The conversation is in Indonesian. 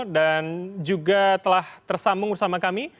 dan juga telah tersambung bersama kami